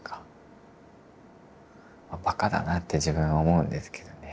バカだなって自分思うんですけどね。